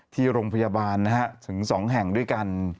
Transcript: ที่โรงพยาบาลถึง๒แห่งด้วยกัน